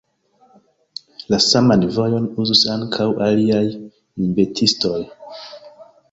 La saman vojon uzis ankaŭ aliaj inventistoj.